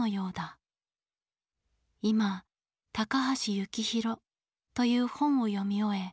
いま『高橋幸宏』という本を読み終え